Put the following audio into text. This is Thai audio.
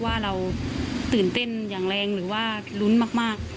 ว่าเราตื่นเต้นอย่างแรงหรือว่าลุ้นมาก